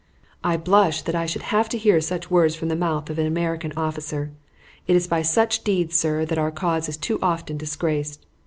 "I blush that I should have heard such words from the mouth of an American officer. It is by such deeds, sir, that our cause is too often disgraced.